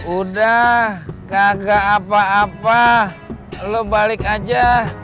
udah gak apa apa lo balik aja